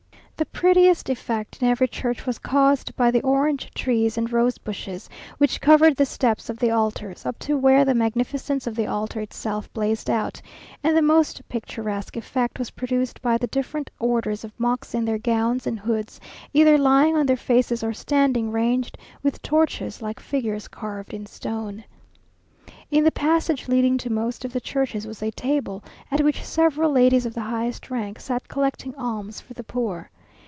The prettiest effect in every church was caused by the orange trees and rose bushes, which covered the steps of the altars, up to where the magnificence of the altar itself blazed out; and the most picturesque effect was produced by the different orders of monks in their gowns and hoods, either lying on their faces or standing ranged with torches like figures carved in stone. In the passage leading to most of the churches was a table, at which several ladies of the highest rank sat collecting alms for the poor.